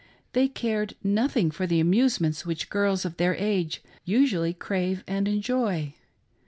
They cared nothing for the, amusements which girls of their age usually crave and enjoy.